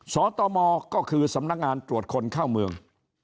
สตมก็คือสำนักงานตรวจคนเข้าเมือง